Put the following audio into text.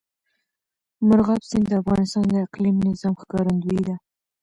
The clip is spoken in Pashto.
مورغاب سیند د افغانستان د اقلیمي نظام ښکارندوی ده.